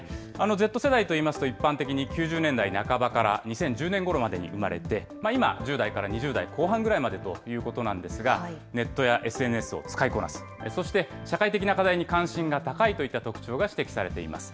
Ｚ世代といいますと、一般的に９０年代半ばから２０１０年ごろまでに生まれて、今、１０代から２０代後半ぐらいまでということなんですが、ネットやＳＮＳを使いこなす、そして社会的な課題に関心が高いといった特徴が指摘されています。